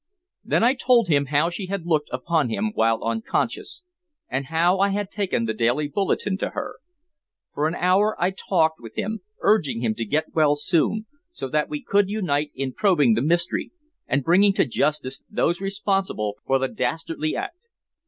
Then I told him how she had looked upon him while unconscious, and how I had taken the daily bulletin to her. For an hour I talked with him, urging him to get well soon, so that we could unite in probing the mystery, and bringing to justice those responsible for the dastardly act.